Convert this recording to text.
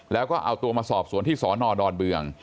แล้วก็เอาตัวมาสอบสวนที่สนดอนเมือง